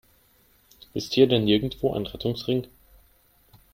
Ist hier denn nirgendwo ein Rettungsring?